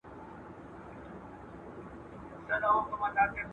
تاسي کولای شئ د ساینس په اړه نوي حقایق ومومئ.